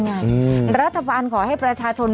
แล้วนั้นคุณก็จะได้รับเงินเข้าแอปเป๋าตังค์